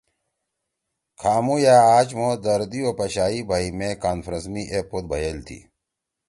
کھامُو یأ آج مھو دردی او پشائی بھئی مے کانفرنس می ایپود بھئیل تھی۔